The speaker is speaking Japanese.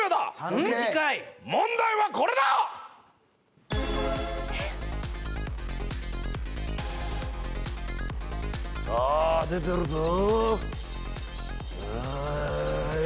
問題はこれだ！さあ、出てるぞ！